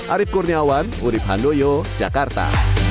arief kurniawan urib handoyo jakarta